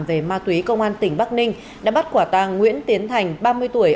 về ma túy công an tỉnh bắc ninh đã bắt quả tàng nguyễn tiến thành ba mươi tuổi